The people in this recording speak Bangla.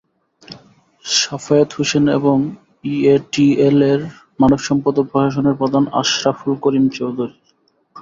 সাফায়েত হোসেন এবং ইএটিএলের মানবসম্পদ ও প্রশাসনের প্রধান আশরাফুল করিম চৌধুরী।